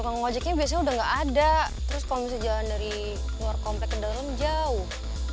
ngajakin udah nggak ada terus kalau bisa jalan dari luar komplek jauh